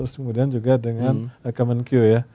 kemudian juga dengan rekomen q ya